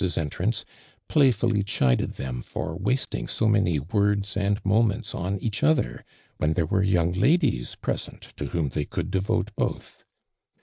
s eiitraiic(s playfully chided thorn for \Vii, <ting «o many words and moments on oa.h other, when there wore young latlies present to whom they could dovote both.